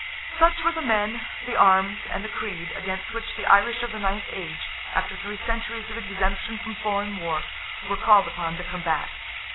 Such were the men, the arms, and the creed, against which the Irish of the ninth age, after three centuries of exemption from foreign war, were called upon to combat.